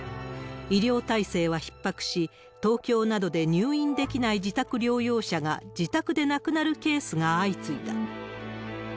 医療体制はひっ迫し、東京などで入院できない自宅療養者が、自宅で亡くなるケースが相次いだ。